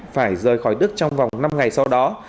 phải rời khỏi đức trong vòng năm ngày sau đó